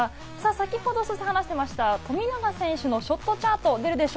先ほどを話していました、富永選手のショットチャートです。